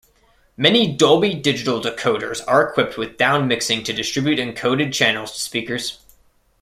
Many Dolby Digital decoders are equipped with downmixing to distribute encoded channels to speakers.